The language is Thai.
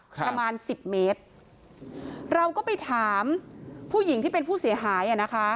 ประมาณสิบเมตรเราก็ไปถามผู้หญิงที่เป็นผู้เสียหายอ่ะนะคะ